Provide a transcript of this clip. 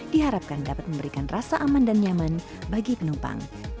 diharapkan dapat memberikan rasa aman dan nyaman bagi penumpang